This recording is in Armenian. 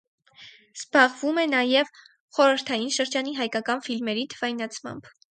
Զբաղվում է նաև խորհրդային շրջանի հայկական ֆիլմերի թվայնացմամբ։